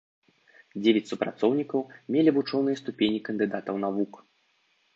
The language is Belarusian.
Дзевяць супрацоўнікаў мелі вучоныя ступені кандыдатаў навук.